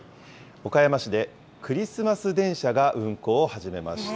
岡山市でクリスマス電車が運行を始めました。